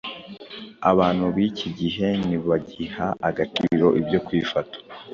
abantu b’iki gihe ntibagiha agaciro ibyo kwifata